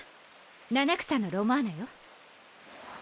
七草のロマーナよ。